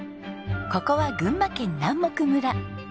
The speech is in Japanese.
ここは群馬県南牧村。